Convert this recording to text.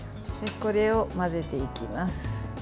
これを混ぜていきます。